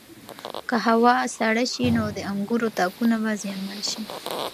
که هوا سړه شي نو د انګورو تاکونه به زیانمن شي.